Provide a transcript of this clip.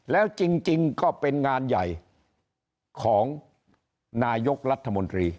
แล้วจริงก็เป็นงานใหญ่ของนายกรัฐมนตรี